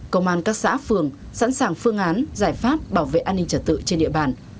công an các xã phường sẵn sàng phương án giải pháp bảo vệ an ninh trật tự trên địa bàn